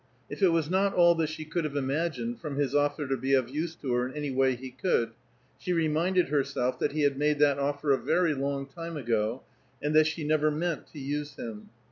If it was not all that she could have imagined from his offer to be of use to her in any way he could, she reminded herself that he had made that offer a very long time ago, and that she never meant to use him.